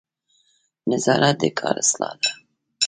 نظارت د کار اصلاح ده